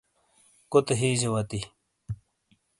کوتے ہیجے وتی۔